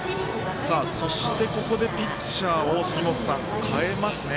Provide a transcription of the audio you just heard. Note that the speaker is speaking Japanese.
そして、ここでピッチャーを代えますね。